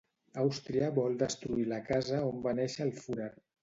Àustria vol destruir la casa on va néixer el Führer.